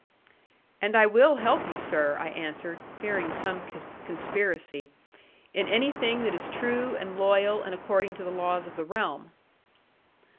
'And I will help you, sir,' I answered, fearing some conspiracy, 'in anything that is true, and loyal, and according to the laws of the realm.'